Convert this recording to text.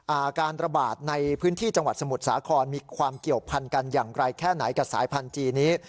อาการระบาดในพื้นที่จังหวัดสมุทรสาครมีความเกี่ยวพันกันอย่างไรแค่ไหนกับสายพันธุ์จีนนี้